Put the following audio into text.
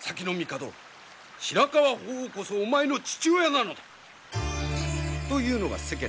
先の帝白河法皇こそお前の父親なのだ！というのが世間のうわさだ。